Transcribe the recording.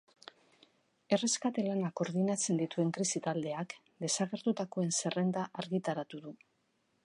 Erreskate lanak koordinatzen dituen krisi taldeak desagertutakoen zerrenda argitaratu du.